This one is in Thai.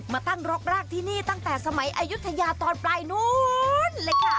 มาตั้งรกรากที่นี่ตั้งแต่สมัยอายุทยาตอนปลายนู้นเลยค่ะ